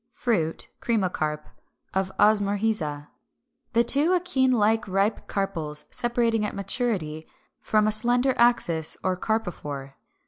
385. Fruit (cremocarp) of Osmorrhiza; the two akene like ripe carpels separating at maturity from a slender axis or carpophore.